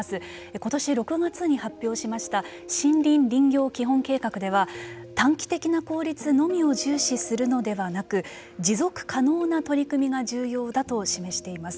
ことし６月に発表しました森林・林業基本計画では短期的な効率のみを重視するのではなく持続可能な取り組みが重要だと示しています。